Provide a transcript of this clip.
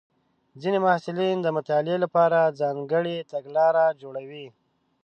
ځینې محصلین د مطالعې لپاره ځانګړې تګلارې جوړوي.